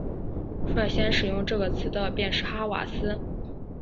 率先使用这个词的便是哈瓦斯。